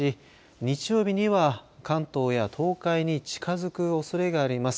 日曜日には関東や東海に近づくおそれがあります。